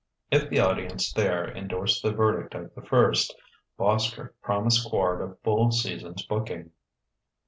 If the audiences there endorsed the verdict of the first, Boskerk promised Quard a full season's booking.